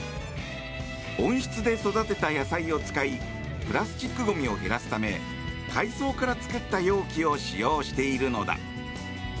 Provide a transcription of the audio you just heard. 温室で育てた野菜を使いプラスチックごみを減らすため海藻から作った容器を使用しているのだ。